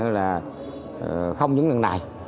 là không những lần này